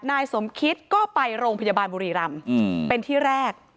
นายสมคิตก็ไปโรงพยาบาลบุรีรำเป็นที่แรก